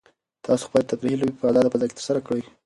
تاسو خپلې تفریحي لوبې په ازاده فضا کې ترسره کړئ.